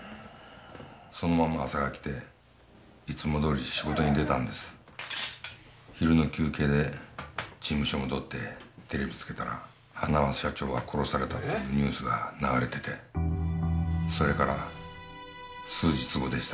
そのまま朝が来ていつもどおり仕事に出たんです昼の休憩で事務所戻ってテレビつけたら塙社長が殺されたっていうニュースが流れててそれから数日後でした